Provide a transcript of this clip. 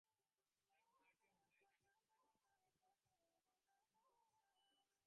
হেই, Martin - Nate, আমি শুনতে পাচ্ছি - তুমি কি শুনতে পাচ্ছ?